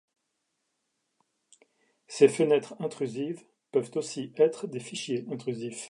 Ces fenêtres intrusives peuvent aussi être des fichiers intrusifs.